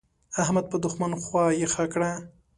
احمد په دوښمن خوا يخه کړه.